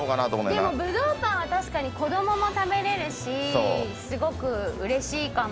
でもぶどうパンは確かに子供も食べれるしすごくうれしいかも。